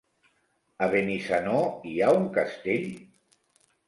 A Benissanó hi ha un castell?